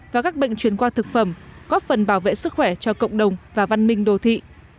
và các bệnh truyền qua thực phẩm góp phần bảo vệ sức khỏe cho cộng đồng và văn minh đô thị